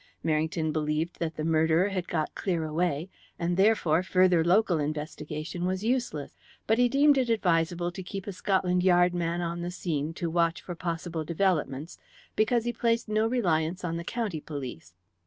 Merrington believed that the murderer had got clear away, and, therefore, further local investigation was useless, but he deemed it advisable to keep a Scotland Yard man on the scene to watch for possible developments, because he placed no reliance on the county police.